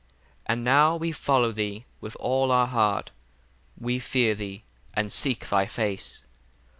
18 And now we follow thee with all our heart, we fear thee, and seek thy face.